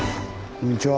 こんにちは。